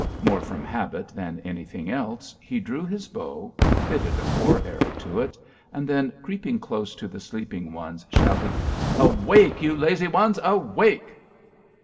More from habit than anything else, he drew his bow, fitted a war arrow to it, and then, creeping close to the sleeping ones, shouted: 'Awake! You lazy ones, awake!'